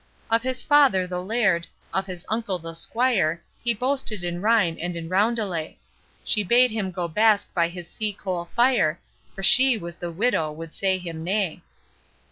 Of his father the laird, of his uncle the squire, He boasted in rhyme and in roundelay; She bade him go bask by his sea coal fire, For she was the widow would say him nay.